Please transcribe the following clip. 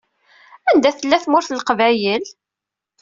Anda tella Tmurt n Leqbayel?